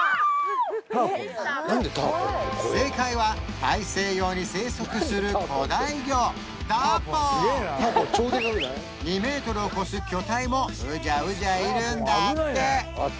正解は大西洋に生息する古代魚ターポン２メートルを越す巨体もうじゃうじゃいるんだって